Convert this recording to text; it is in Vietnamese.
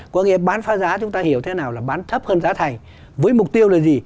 có nghĩa bán phá giá chúng ta hiểu thế nào là bán thấp hơn giá thành với mục tiêu là gì